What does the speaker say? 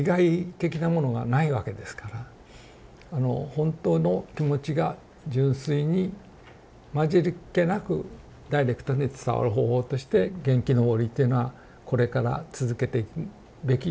本当の気持ちが純粋に混じりけなくダイレクトに伝わる方法として元気のぼりというのはこれから続けていくべきことかなと。